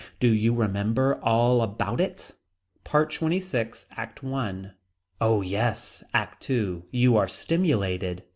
Do you remember all about it. PART XXVI. ACT I. Oh yes. ACT II. You are stimulated.